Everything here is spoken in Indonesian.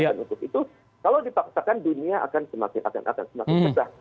dan untuk itu kalau dipaksakan dunia akan semakin akan akan semakin secah